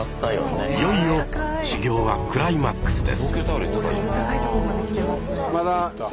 いよいよ修行はクライマックスです。